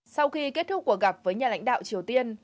sau khi kết thúc cuộc gặp với nhà lãnh đạo triều tiên